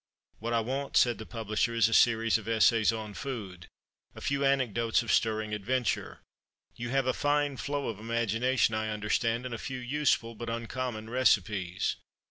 "What I want," said the publisher, "is a series of essays on food, a few anecdotes of stirring adventure you have a fine flow of imagination, I understand and a few useful, but uncommon recipes.